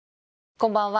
こんばんは。